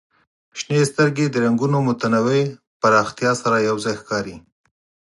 شنې سترګې د رنګونو متنوع پراختیا سره یو ځای ښکاري.